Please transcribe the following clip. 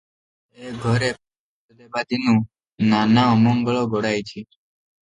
ସେ ଏ ଘରେ ପାଦ ଦେବା ଦିନୁ ନାନା ଅମଙ୍ଗଳ ଗୋଡ଼ାଇଛି ।"